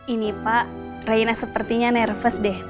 ini pak raina sepertinya nervous deh